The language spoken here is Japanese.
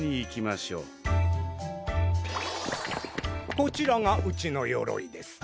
こちらがうちのよろいです。